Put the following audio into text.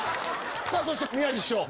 そして宮治師匠。